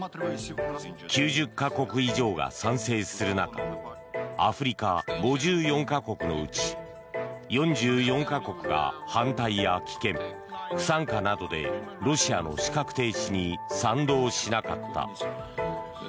９０か国以上が賛成する中アフリカ５４か国のうち４４か国が反対や棄権、不参加などでロシアの資格停止に賛同しなかった。